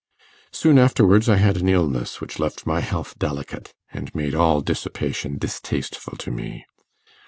Soon afterwards I had an illness which left my health delicate, and made all dissipation distasteful to me.